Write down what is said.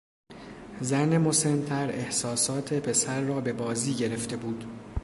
زن مسنتر احساسات پسر را به بازی گرفته بود.